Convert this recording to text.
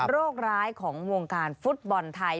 โรคร้ายของวงการฟุตบอลไทย